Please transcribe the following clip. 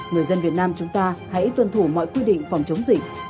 người dân việt nam chúng ta hãy tuân thủ mọi quy định phòng chống dịch